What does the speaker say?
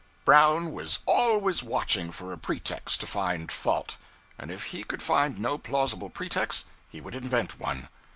Brown was _always _watching for a pretext to find fault; and if he could find no plausible pretext, he would invent one.